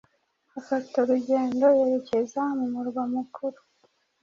afata urugendo yerekeza mu murwa mukuru